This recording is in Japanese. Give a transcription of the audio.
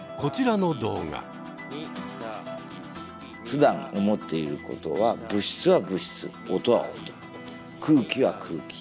ふだん思っていることは物質は物質音は音空気は空気。